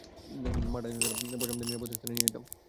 মা ডাইনোসর আর পসামদের নিরাপদ স্থানে নিয়ে যাও।